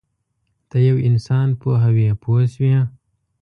ته یو انسان پوهوې پوه شوې!.